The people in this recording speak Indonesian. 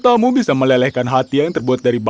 agar mata mu bisa melelehkan hati yang terbuat dari batu